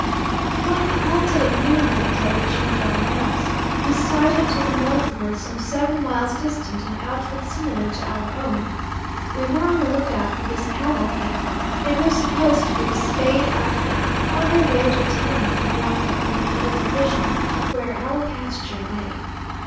When we halted at noon that day to change our mounts, we sighted to the northward some seven miles distant an outfit similar to our own. We were on the lookout for this cavalcade; they were supposed to be the "Spade" outfit, on their way to attend the round up in the middle division, where our pasture lay.